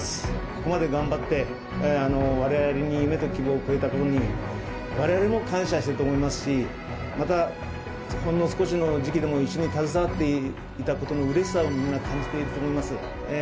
ここまで頑張って、われわれに夢と希望をくれたことに、われわれも感謝してると思いますし、またほんの少しの時期でも一緒に携わっていたことのうれしさをみんな感じていると思います。